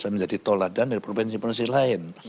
menjadi toladan dari provinsi provinsi lain